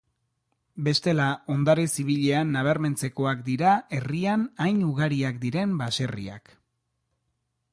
Bestela, ondare zibilean nabarmentzekoak dira herrian hain ugariak diren baserriak.